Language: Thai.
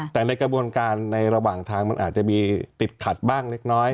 แต่ในกระบวนการในระหว่างทางมันอาจจะมีติดขัดบ้างเล็กน้อย